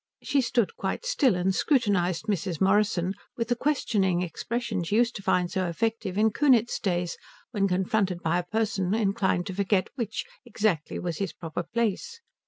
She stood quite still, and scrutinized Mrs. Morrison with the questioning expression she used to find so effective in Kunitz days when confronted by a person inclined to forget which, exactly, was his proper place.